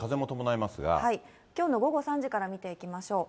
きょうの午後３時から見ていきましょう。